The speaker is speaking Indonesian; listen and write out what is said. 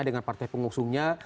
dengan partai pengusungnya